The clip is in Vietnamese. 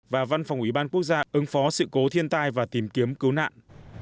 và văn phòng ủy ban quốc gia ứng phó sự cố thiên tai và tìm kiếm cứu nạn